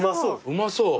うまそう。